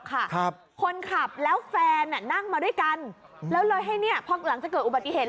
ค่ะครอบคนขับแล้วแฟนนั่งมาด้วยกันแล้วร่อยให้เนี่ยผ่านหลังจะเกิดอุบัติเหตุ